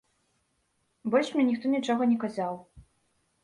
Больш мне ніхто нічога не казаў.